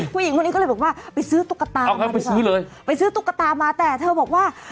ผู้หญิงคนนี้ก็เลยบอกว่าไปซื้อตุ๊กตาไปซื้อเลยไปซื้อตุ๊กตามาแต่เธอบอกว่า